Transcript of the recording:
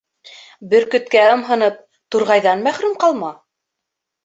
Бөркөткә ымһынып, турғайҙан мәхрүм ҡалма.